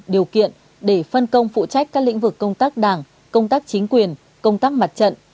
điều kiện để phân công phụ trách các lĩnh vực công tác đảng công tác chính quyền công tác mặt trận